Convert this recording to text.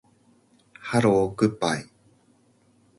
ハローグッバイ